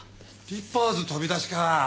リッパーズ飛び出しか。